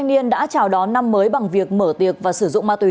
tuy nhiên đã chào đón năm mới bằng việc mở tiệc và sử dụng ma túy